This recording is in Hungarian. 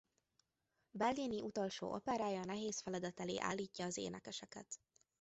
Bellini utolsó operája nehéz feladat elé állítja az énekeseket.